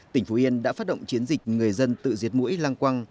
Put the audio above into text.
tỉnh phú yên đã phát động chiến dịch người dân tự diệt mũi long quăng